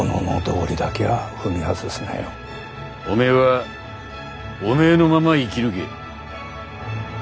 おめえはおめえのまま生き抜け。